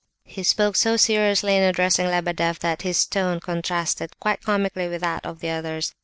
He spoke so seriously in addressing Lebedeff, that his tone contrasted quite comically with that of the others.